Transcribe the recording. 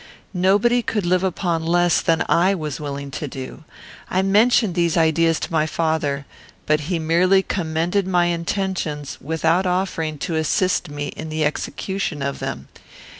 Nobody could live upon less than I was willing to do. I mentioned these ideas to my father; but he merely commended my intentions without offering to assist me in the execution of them.